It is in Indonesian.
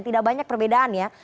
tidak banyak perbedaannya